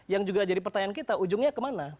yang juga jadi pertanyaan kita ujungnya kemana